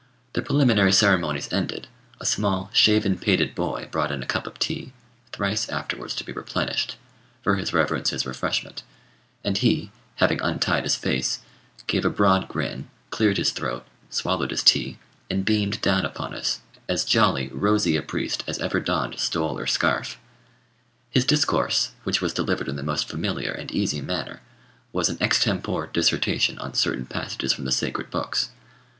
The preliminary ceremonies ended, a small shaven pated boy brought in a cup of tea, thrice afterwards to be replenished, for his reverence's refreshment; and he, having untied his face, gave a broad grin, cleared his throat, swallowed his tea, and beamed down upon us, as jolly, rosy a priest as ever donned stole or scarf. His discourse, which was delivered in the most familiar and easy manner, was an extempore dissertation on certain passages from the sacred books.